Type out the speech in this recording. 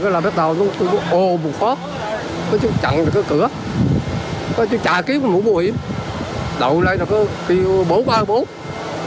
rồi bắt đầu tôi bố ô bụt khóc chẳng được cửa chạy kiếp mũ bụi đậu lên bố bố bố thưa được rồi mình bố ô tâm